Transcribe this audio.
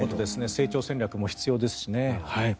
成長戦略も必要ですしね。